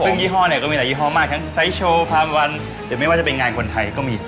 ซึ่งยี่ห้อเนี่ยก็มีหลายยี่ห้อมากทั้งไซส์โชว์พาวันหรือไม่ว่าจะเป็นงานคนไทยก็มี